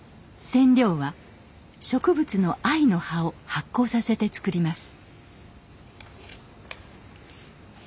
染料は植物の藍の葉を発酵させて作ります。